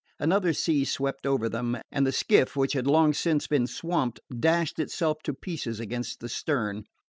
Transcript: Another sea swept over them, and the skiff, which had long since been swamped, dashed itself to pieces against the stern.